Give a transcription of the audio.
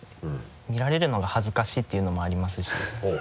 見られるのが恥ずかしいっていうのもありますし。